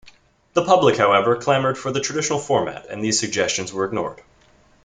The public however clamoured for the traditional format and these suggestions were ignored.